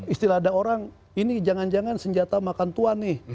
istilah ada orang ini jangan jangan senjata makan tuan nih